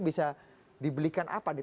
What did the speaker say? bisa dibelikan apa nih